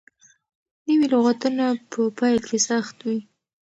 نوي لغتونه په پيل کې سخت وي.